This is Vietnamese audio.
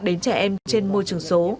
đến trẻ em trên môi trường số